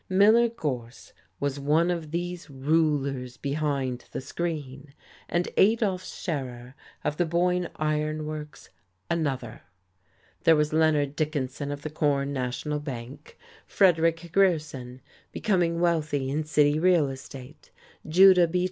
Miller Gorse was one of these rulers behind the screen, and Adolf Scherer, of the Boyne Iron Works, another; there was Leonard Dickinson of the Corn National Bank; Frederick Grierson, becoming wealthy in city real estate; Judah B.